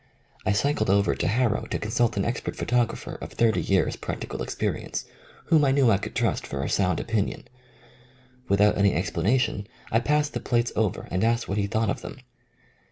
I cycled over to Harrow to consult an expert photographer of thirty years' practical ex perience whom I knew I could trust for a sound opinion. Without any explanation I passed the plates over and asked what he thought of them.